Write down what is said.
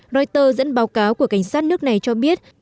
reuters dẫn báo cáo của cảnh sát nước này cho biết